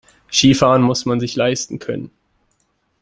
Skifahren muss man sich leisten können.